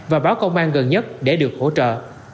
và báo công an gần nhất để được hỗ trợ